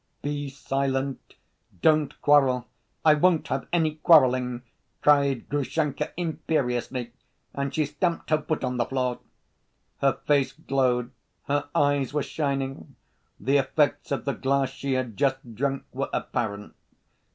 "Be silent! Don't quarrel! I won't have any quarreling!" cried Grushenka imperiously, and she stamped her foot on the floor. Her face glowed, her eyes were shining. The effects of the glass she had just drunk were apparent.